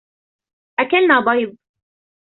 اكلنا بيض.